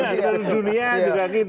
bisa ke dunia juga gitu